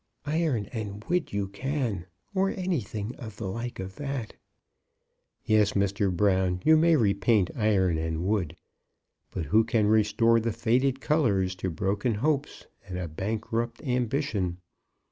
"Iron and wood you can, or anything of the like of that." "Yes, Mr. Brown; you may repaint iron and wood; but who can restore the faded colours to broken hopes and a bankrupt ambition?